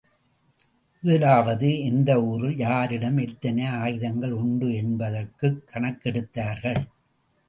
முதலாவது எந்த ஊரில், யாரிடம், எத்தனை ஆயுதங்கள் உண்டு என்பதற்குக் கணக்கெடுத்தார்கள்.